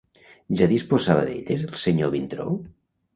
Ja disposava d'elles el senyor Vintró?